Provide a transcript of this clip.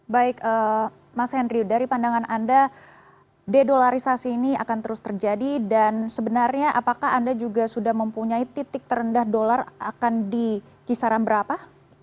baik mas henry dari pandangan anda dedolarisasi ini akan terus terjadi dan sebenarnya apakah anda juga sudah mempunyai titik terendah dolar akan di kisaran berapa